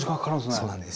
そうなんです。